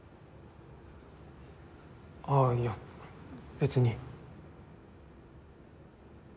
ああいや別に。